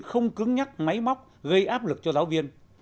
không cứng nhắc máy móc gây áp lực cho giáo viên